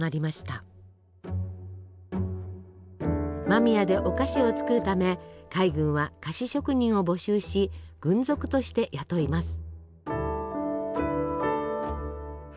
間宮でお菓子を作るため海軍は菓子職人を募集し軍属として雇います。